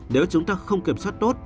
nếu chúng ta không kiểm soát tốt